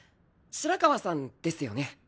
白河さんですよね。